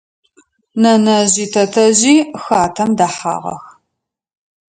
Нэнэжъи тэтэжъи хатэм дэхьагъэх.